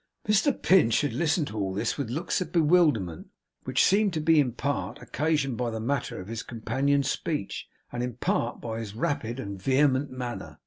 Mr Pinch had listened to all this with looks of bewilderment, which seemed to be in part occasioned by the matter of his companion's speech, and in part by his rapid and vehement manner.